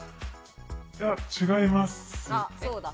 違います。